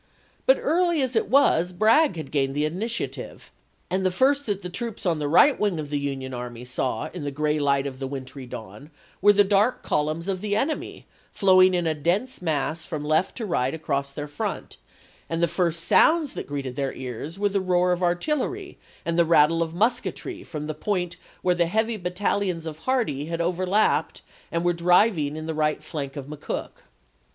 But early as it was Bragg had gained the initiative, and the first that the troops on the right wing of the Union army saw in the gray light of the wintry dawn were the dark columns of the enemy flowing in a dense mass from left to right across their front, and the flrst sounds that greeted their ears were the roar of artillery and the rattle of musketry from the point where the heavy battalions of Hardee had over lapped and were driving in the right flank of Mc Cook.